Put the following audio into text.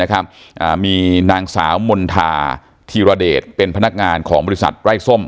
มีนางสาวมณฑาธีรเดชเป็นพนักงานของบริษัทไร้ส้ม